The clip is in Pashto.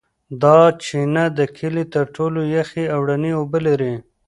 دا چینه د کلي تر ټولو یخې او رڼې اوبه لري.